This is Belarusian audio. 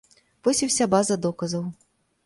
Вось і ўся база доказаў.